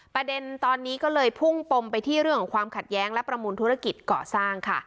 ประเด็นตอนนี้ก็เลยพุ่งปมไปที่เรื่องของความขัดแย้งและประมูลธุรกิจเกาะสร้างค่ะ